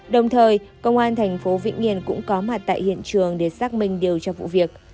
đồng thời công an thành phố vĩnh yên cũng có mặt tại hiện trường để xác minh điều tra vụ việc